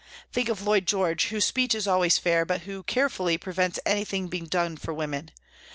Think of Lloyd George, whose speech is always fair but who carefully pre vents anything being done for women.